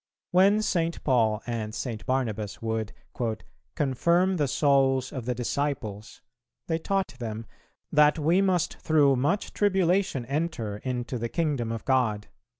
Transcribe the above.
When St. Paul and St. Barnabas would "confirm the souls of the disciples," they taught them "that we must through much tribulation enter into the kingdom of God."